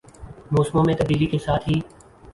موسموں میں تبدیلی کے ساتھ ہی